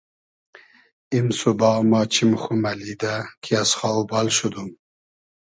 ایم سوبا ما چیم خو مئلیدۂ کی از خاو بال شودوم